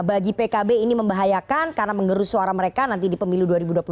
bagi pkb ini membahayakan karena mengerus suara mereka nanti di pemilu dua ribu dua puluh empat